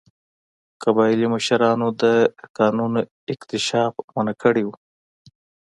قبایلي مشرانو د کانونو اکتشاف منع کړی و.